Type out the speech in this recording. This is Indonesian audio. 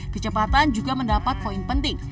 kecepatan juga mendapat poin penting